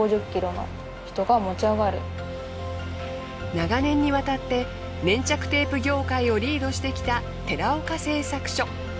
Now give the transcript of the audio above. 長年にわたって粘着テープ業界をリードしてきた寺岡製作所。